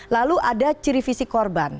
lalu ada ciri fisik korban